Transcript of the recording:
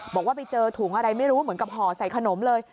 บอกว่าไปเจอถุงอะไรไม่รู้เหมือนกับห่อใส่ขนมเลย